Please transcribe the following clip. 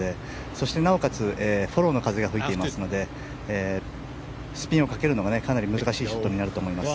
そしてなおかつフォローの風が吹いていますのでスピンをかけるのがかなり難しいショットになると思います。